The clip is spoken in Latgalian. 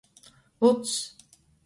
Lucs.